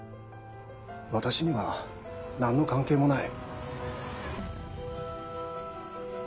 私には何の関係もない。